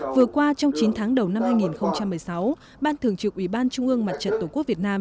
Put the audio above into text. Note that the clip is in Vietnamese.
vừa qua trong chín tháng đầu năm hai nghìn một mươi sáu ban thường trực ủy ban trung ương mặt trận tổ quốc việt nam